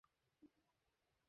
তিনি অবিলম্বে মারা যান।